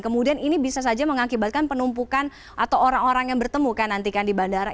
kemudian ini bisa saja mengakibatkan penumpukan atau orang orang yang bertemu kan nanti kan di bandara